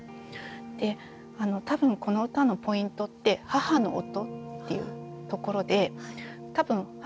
で多分この歌のポイントって「母の音」っていうところで多分「母の呼吸」とか「息」とか